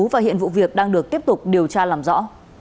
và hiện vụ việc đang được tiếp tục điều tra làm rõ